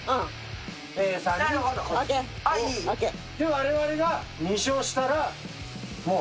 我々が２勝したらもう。